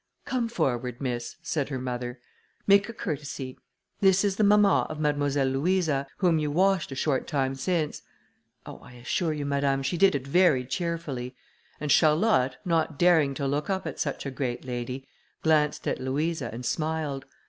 "Come forward, miss," said her mother. "Make a courtesy; this is the mamma of Mademoiselle Louisa, whom you washed a short time since. Oh, I assure you, madame, she did it very cheerfully," and Charlotte, not daring to look up at such a great lady, glanced at Louisa, and smiled.